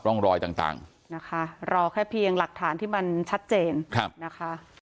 ร่องรอยต่างนะคะรอแค่เพียงหลักฐานที่มันชัดเจนนะคะ